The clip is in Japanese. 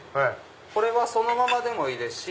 これはそのままでもいいですし。